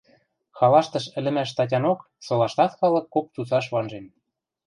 Халаштыш ӹлӹмӓш статянок солаштат халык кок цуцаш ванжен: